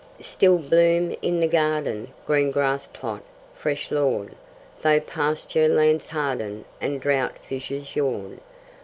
..... Still bloom in the garden Green grass plot, fresh lawn, Though pasture lands harden And drought fissures yawn.